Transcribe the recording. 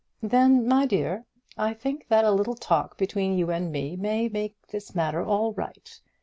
"Then, my dear, I think that a little talk between you and me may make this matter all right.